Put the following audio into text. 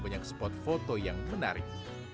dan ini adalah tempat yang sangat menarik